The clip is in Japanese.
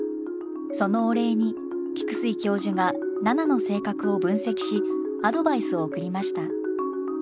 そのお礼に菊水教授が奈々の性格を分析しアドバイスを送りました。